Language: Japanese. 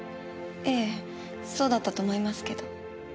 ええそうだったと思いますけど。